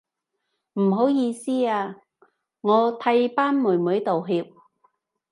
唔好意思啊，我替班妹妹道歉